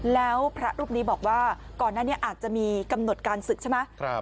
แล้วพระรูปนี้บอกว่าก่อนหน้านี้อาจจะมีกำหนดการศึกใช่ไหม